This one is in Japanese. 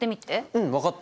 うん分かった。